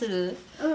うん。